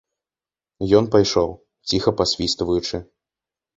Ён пайшоў, ціха пасвістваючы.